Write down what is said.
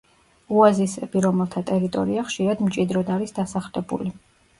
ოაზისები, რომელთა ტერიტორია ხშირად მჭიდროდ არის დასახლებული.